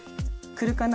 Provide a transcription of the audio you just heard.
くるかな。